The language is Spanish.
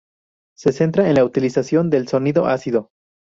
Se centra en la utilización del sonido ácido.